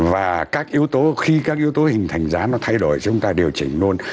và khi các yếu tố hình thành giá nó thay đổi chúng ta điều chỉnh luôn